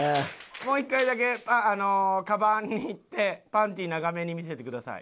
もう一回だけカバンに行ってパンティー長めに見せてください。